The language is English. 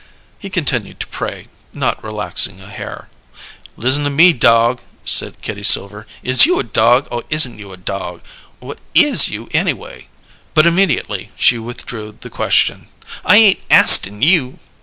He continued to pray, not relaxing a hair. "Listen to me, dog," said Kitty Silver. "Is you a dog, or isn't you a dog? Whut is you, anyway?" But immediately she withdrew the question. "I ain't astin' you!"